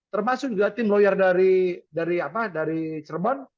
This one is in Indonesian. termasuk juga tim lawyer dari cirebon